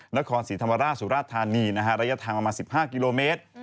นครศรีธรรมราชสุราธานีระยะทางประมาณ๑๕กิโลเมตร